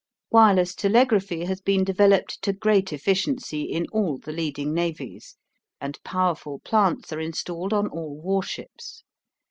Wireless telegraphy has been developed to great efficiency in all the leading navies, and powerful plants are installed on all warships.